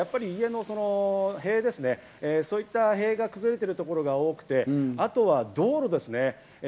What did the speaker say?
ただ家の塀ですね、そういった塀が崩れているところも多くて、あとは道路ですね。